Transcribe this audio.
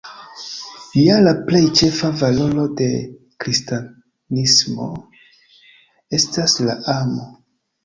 Ja la plej ĉefa valoro de kristanismo estas la amo.